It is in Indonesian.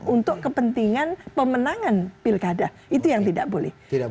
untuk kepentingan pemenangan pilkada itu yang tidak boleh